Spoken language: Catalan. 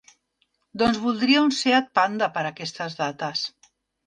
Doncs voldria un Seat Panda per aquestes dates.